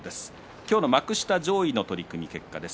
今日の幕下上位の取組結果です。